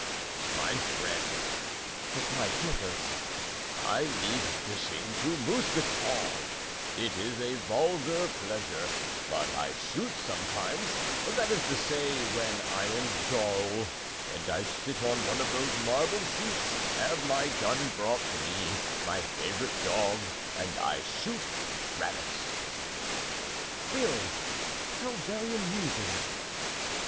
"My friend," replied Porthos, "I leave fishing to Mousqueton,—it is a vulgar pleasure,—but I shoot sometimes; that is to say, when I am dull, and I sit on one of those marble seats, have my gun brought to me, my favorite dog, and I shoot rabbits." "Really, how very amusing!"